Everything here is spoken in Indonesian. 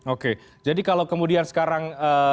oke jadi kalau kemudian sekarang